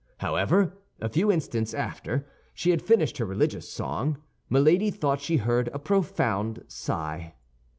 However, a few instants after she had finished her religious song, Milady thought she heard a profound sigh.